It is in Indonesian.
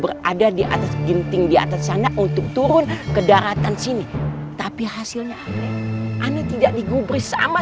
berada di atas ginting di atas sana untuk turun ke daratan sini tapi hasilnya anda tidak digubris sama